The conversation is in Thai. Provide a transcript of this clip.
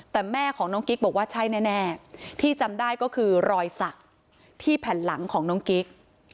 แต่แม่ของน้องกิ๊กบอกว่าใช่แน่ที่จำได้ก็คือรอยสักที่แผ่นหลังของน้องกิ๊ก